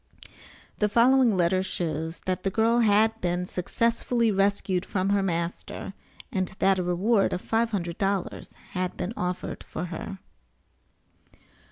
The following letter shows that the girl had been successfully rescued from her master, and that a reward of five hundred dollars had been offered for her.